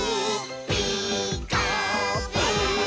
「ピーカーブ！」